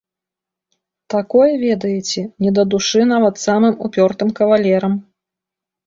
Такое, ведаеце, не да душы нават самым упёртым кавалерам.